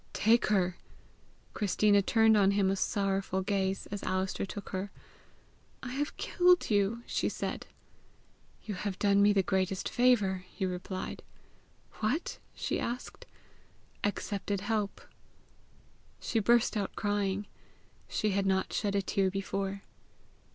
"Take her!" Christina turned on him a sorrowful gaze as Alister took her. "I have killed you!" she said. "You have done me the greatest favour," he replied. "What?" she asked. "Accepted help." She burst out crying. She had not shed a tear before.